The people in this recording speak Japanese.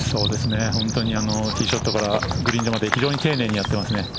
本当にティーショットからグリーン上まで非常に丁寧にやっていますね。